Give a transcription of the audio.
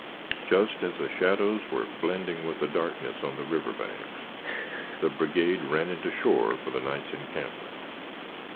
Just as the shadows were blending with the darkness on the river banks, the brigade ran into shore for the night's encampment.